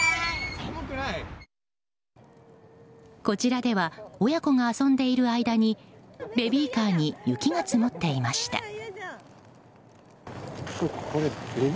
こちらでは親子が遊んでいる間にベビーカーに雪が積もっていました。